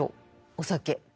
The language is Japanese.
お酒。